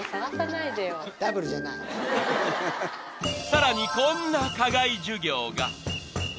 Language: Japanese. ［さらにこんな課外授業が］